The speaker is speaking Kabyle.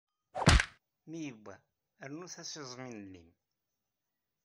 Mi yewwa, rnut-as iẓmi n llim.